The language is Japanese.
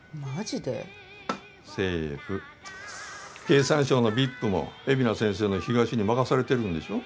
経産省のＶＩＰも海老名先生の東に任されてるんでしょ？